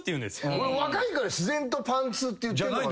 俺若いから自然とパンツって言ってんのかな。